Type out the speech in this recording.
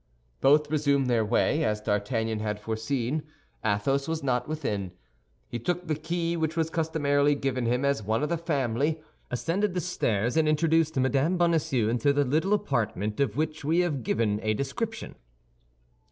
Both resumed their way. As D'Artagnan had foreseen, Athos was not within. He took the key, which was customarily given him as one of the family, ascended the stairs, and introduced Mme. Bonacieux into the little apartment of which we have given a description.